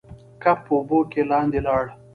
کب په اوبو کې لاندې لاړ.